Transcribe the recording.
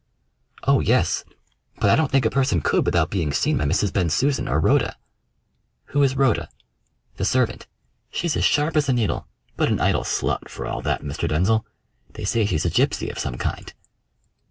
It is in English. "Oh, yes; but I don't think a person could without being seen by Mrs. Bensusan or Rhoda." "Who is Rhoda?" "The servant. She's as sharp as a needle, but an idle slut, for all that, Mr. Denzil. They say she's a gypsy of some kind."